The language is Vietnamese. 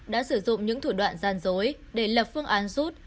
đã sử dụng những thủ đoạn gian dối để lập phương án rút